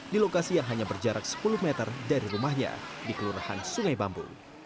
di lokasi yang hanya berjarak sepuluh meter dari rumahnya di kelurahan sungai bambu